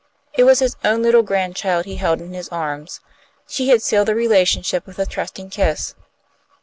It was his own little grandchild he held in his arms. She had sealed the relationship with a trusting kiss.